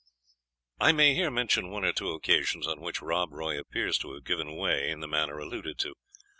I may here mention one or two occasions on which Rob Roy appears to have given way in the manner alluded to.